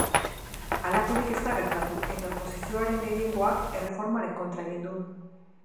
Halakorik ez da gertatu, eta oposizioaren gehiengoak erreformaren kontra egin du.